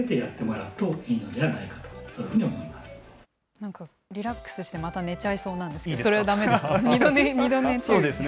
なんかリラックスしてまた寝ちゃいそうなんですけど、それはだめですね。